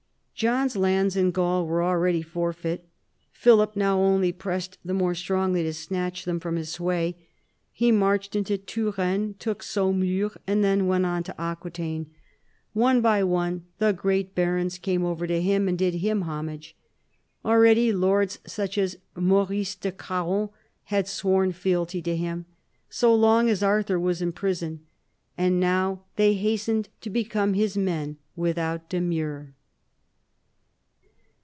John's lands in Gaul were already forfeit. Philip now only pressed the more strongly to snatch them from his sway. He marched into Touraine, took Saumur, and then went on to Aquitaine. One by one the great 70 PHILIP AUGUSTUS chap. barons came over to him and did him homage. Already lords such as Maurice de Craon had sworn fealty to him so long as Arthur was in prison, and now they hastened to become his men without demur.